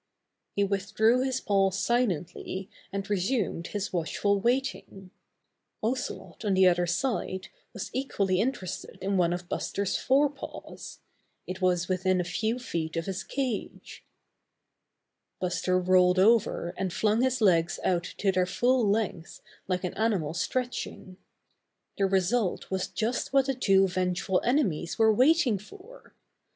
He withdrew his paw silently and resumed his watchful waiting. Ocelot on the other side was equally interested in one of Buster's fore paws. It was within a few feet of his cage. Buster rolled over and flung his legs out to their full length like an animal stretching. 84 Buster the Bear The result was just what the two vengeful enemies were waiting for.